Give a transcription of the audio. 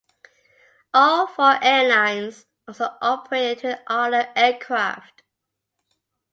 All four airlines also operated Twin Otter aircraft.